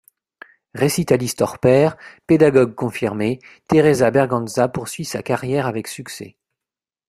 Récitaliste hors pair, pédagogue confirmée, Teresa Berganza poursuit sa carrière avec succès.